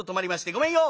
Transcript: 「ごめんよ